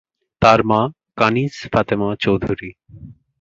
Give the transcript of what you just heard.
তার মা কানিজ ফাতেমা চৌধুরী।